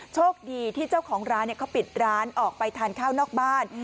โชคดีที่เจ้าของร้านเขาปิดร้านออกไปทานข้าวนอกบ้าน